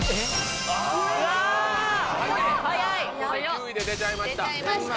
９位で出ちゃいました。